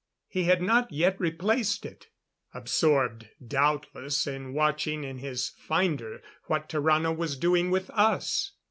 He had not yet replaced it absorbed, doubtless, in watching in his finder what Tarrano was doing with us.